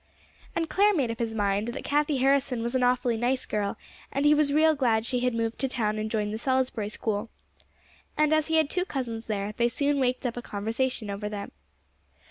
And Clare made up his mind that Cathie Harrison was an awfully nice girl; and he was real glad she had moved to town and joined the Salisbury School. And as he had two cousins there, they soon waked up a conversation over them.